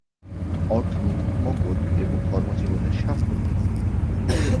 অর্থনৈতিক মঙ্গল এবং কর্মজীবনে সাফল্য।